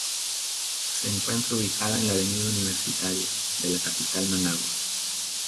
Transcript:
Se encuentra ubicada en la Avenida Universitaria, de la capital Managua.